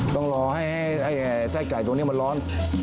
ต้องรอให้ไส้ไก่ตัวนี้มันร้อน